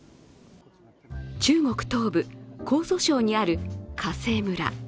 中国東部・江蘇省にある華西村。